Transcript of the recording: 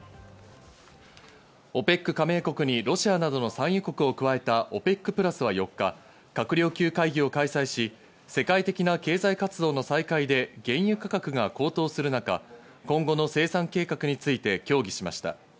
ＯＰＥＣ加盟国にロシアなどの産油国を加えたＯＰＥＣプラスは４日、閣僚級会議を開催し、世界的な経済活動の再開で原油価格が高騰する中、今後の生産計画について協議しました。